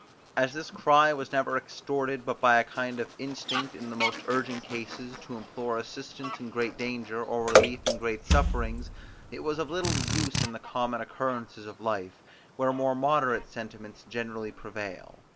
As this cry was never extorted but by a kind of instinct in the most urgent cases, to implore assistance in great danger, or relief in great sufferings, it was of little use in the common occurrences of life, where more moderate sentiments generally prevail.